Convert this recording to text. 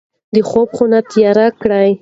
د خوب خونه تیاره کړئ.